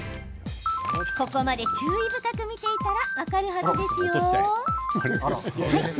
ここまで注意深く見ていたら分かるはずですよ。